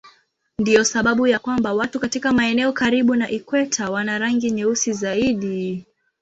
Ndiyo sababu ya kwamba watu katika maeneo karibu na ikweta wana rangi nyeusi zaidi.